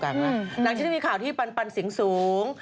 หลังจากที่มีข่าวที่ปันเสียงสูง